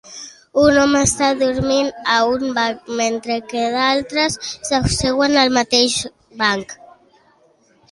Un home està dormint a un banc mentre que d'altres s'asseuen al mateix banc.